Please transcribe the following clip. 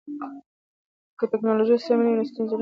که ټکنالوژي سمه نه وي، ستونزې رامنځته کېږي.